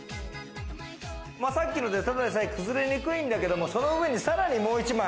さっきので、ただでさえ崩れにくいんだけども、その上にさらにもう一枚？